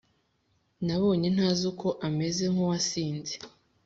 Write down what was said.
nabonye ntazi uko ameze mkuwasinze